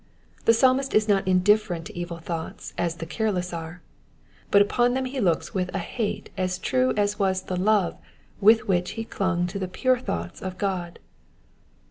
The Psalmist is not indifferent to evil thoughts as the careless are ; but upon them he looks with a hate as true as was the love with which he clung to the pure thoughts of God.